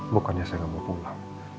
bukannya saya nggak mau pulang